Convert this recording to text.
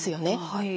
はい。